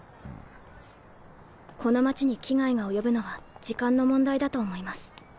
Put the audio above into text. この街に危害が及ぶのは時間の問題だと思います。